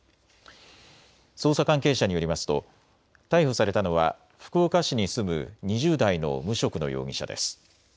捜査関係者によりますと逮捕されたのは福岡市に住む２０代の無職の容疑者です。